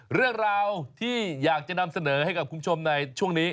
เรื่องราวที่อยากจะนำเสนอให้กับคุณผู้ชมในช่วงนี้